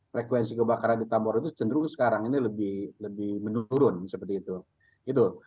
frekuensi kebakaran di tambora itu cenderung sekarang ini lebih menurun seperti itu